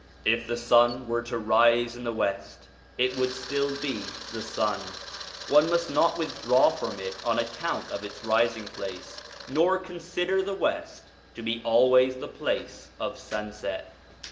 If the sun were to rise in the West, it would still be the sun; one must not withdraw from it on account of its rising place, nor consider the West to be always the place of sun set.